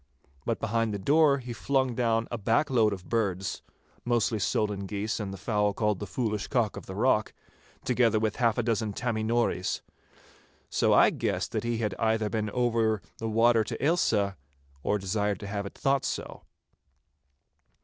But behind the door he flung down a back load of birds—mostly solan geese and the fowl called 'the Foolish Cock of the Rock,' together with half a dozen 'Tammy Nories.' So I guessed that he had either been over the water to Ailsa, or desired to have it thought so.